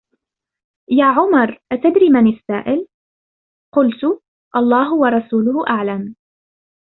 يا عُمَرُ، أَتَدْرِي مَنِ السَّائِلُ؟. قُلتُ: اللهُ وَرَسُولُهُ أَعْلَمُ.